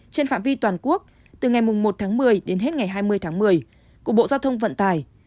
trên phạm vi toàn quốc từ ngày một một mươi đến hết ngày hai mươi một mươi của bộ giao thông vận tài